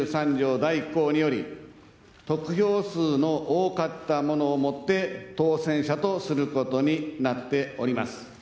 第１項により、得票数の多かった者をもって、当選者とすることになっております。